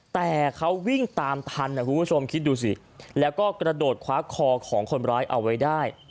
แต่เขาวิ่งตามทันนะคุณผู้ชมคิดดูสิแล้วก็กระโดดคว้าคอของคนร้ายเอาไว้ได้